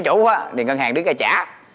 thì ngân hàng đứng ra trả